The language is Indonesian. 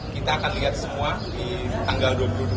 kita akan lihat semua di tanggal dua puluh dua april hari senin besok